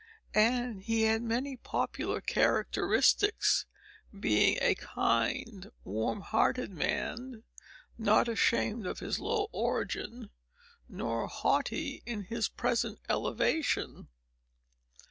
And he had many popular characteristics, being a kind, warm hearted man, not ashamed of his low origin, nor haughty in his present elevation.